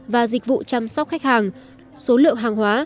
và dịch vụ chăm sóc khách hàng số lượng hàng hóa